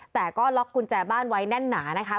แต่ก็ล็อกกุญแจบ้านไว้แน่นหนานะคะ